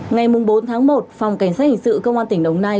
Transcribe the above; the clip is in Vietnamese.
ngày bốn tháng một phòng cảnh sát hình sự công an tỉnh đồng nai